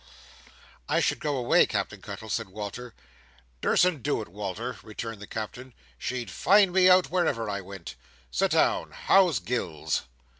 "I should go away, Captain Cuttle," said Walter. "Dursn't do it, Wal"r," returned the Captain. "She'd find me out, wherever I went. Sit down. How's Gills?"